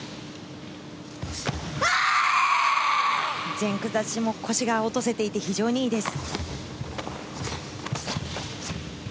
前屈立ちも腰が落とせていて非常にいいです。